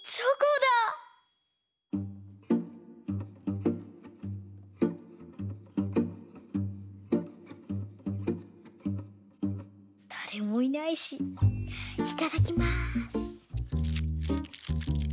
だれもいないしいただきます。